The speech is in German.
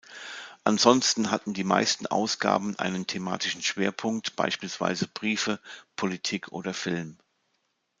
Ansonsten hatten die meisten Ausgaben einen thematischen Schwerpunkt, beispielsweise Briefe, Politik oder Film.